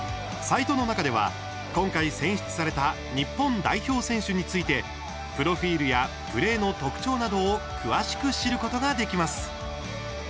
サイトの中では今回、選出された日本代表選手についてプロフィールやプレーの特徴などを詳しく知ることができます。